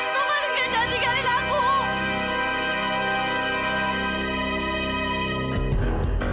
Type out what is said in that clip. taufan enggak enggak taufan